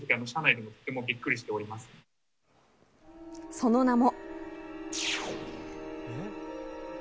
その名も。